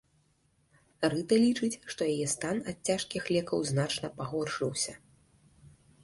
Рыта лічыць, што яе стан ад цяжкіх лекаў значна пагоршыўся.